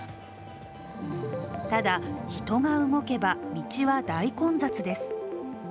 ただ、人が動けば、道は大混雑です。